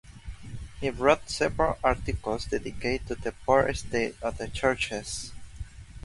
He wrote several articles dedicated to the poor state of the churches.